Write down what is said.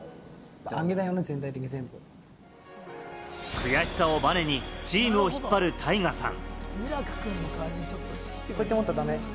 悔しさをバネにチームを引っ張るタイガさん。